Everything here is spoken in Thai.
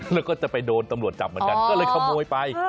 แล้วก็จะไปโดนตำรวจจับเหมือนกันก็เลยขโมยไป